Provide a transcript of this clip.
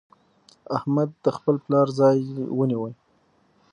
احمد د خپل پلار ځای ونيو.